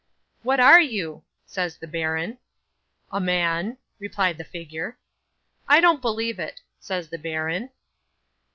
'"What are you?" says the baron. '"A man," replied the figure. '"I don't believe it," says the baron.